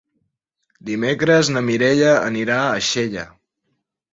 Dimecres na Mireia anirà a Xella.